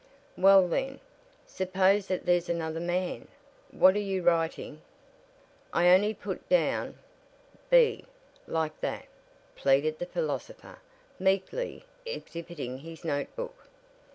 "Well then, suppose that there's another man what are you writing?" "I only put down (B) like that," pleaded the philosopher, meekly exhibiting his note book.